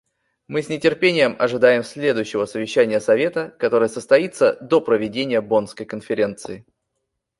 Мы с нетерпением ожидаем следующего совещания Совета, которое состоится до проведения Боннской конференции.